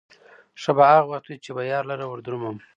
ښه به هغه وخت وي، چې به يار لره وردرومم